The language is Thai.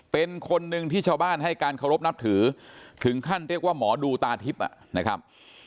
เป็นคนหนึ่งที่ชาวบ้านให้การเคารพนับถือถึงขั้นเรียกว่าหมอดูตาทิพย์นะครับ